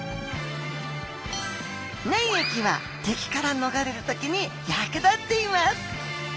粘液は敵から逃れる時に役立っています。